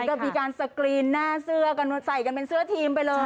ก็มีการสกรีนหน้าเสื้อกันใส่กันเป็นเสื้อทีมไปเลย